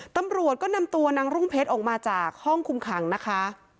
ตำรวจก็นำตัวนางรุ่งเพชรออกมาจากห้องคุมขังนะคะ